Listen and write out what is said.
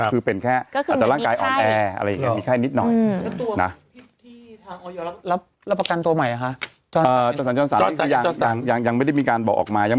คือเป็นแค่อาจารย์ร่างกายอ่อนแบรนด์